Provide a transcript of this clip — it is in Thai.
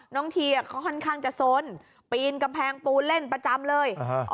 ทีก็ค่อนข้างจะสนปีนกำแพงปูนเล่นประจำเลย